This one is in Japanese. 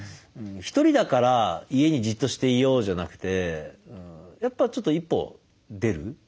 「ひとりだから家にじっとしていよう」じゃなくてやっぱちょっと一歩出る。